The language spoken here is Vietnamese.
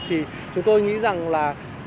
thì chúng tôi nghĩ rằng là